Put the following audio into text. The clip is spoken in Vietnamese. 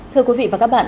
thưa quý vị và các bạn